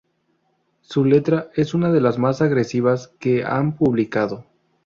Su letra es una de las más agresivas que han publicado.